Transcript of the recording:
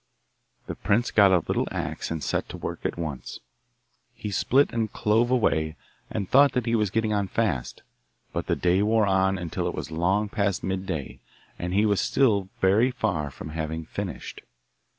The prince got a little axe and set to work at once. He split and clove away, and thought that he was getting on fast; but the day wore on until it was long past midday, and he was still very far from having finished.